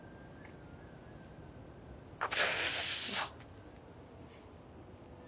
クッソ。